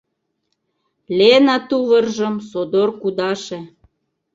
Лена тувыржым содор кудаше.